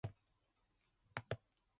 Joe Lee Johnson would withdraw from the race.